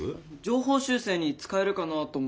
情報修正に使えるかなと思って。